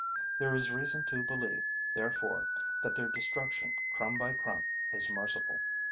There is reason to believe, therefore, that their destruction crumb by crumb is merciful.